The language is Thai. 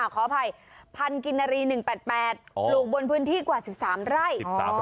ขออภัยพันกินนารี๑๘๘ปลูกบนพื้นที่กว่า๑๓ไร่